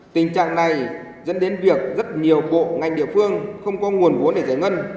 tình trạng này dẫn đến việc rất nhiều bộ ngành địa phương không có nguồn vốn để giải ngân